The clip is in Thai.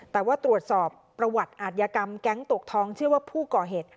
แต่ว่าตรวจสอบประวัติอาทยากรรมแก๊งตกทองเชื่อว่าผู้ก่อเหตุ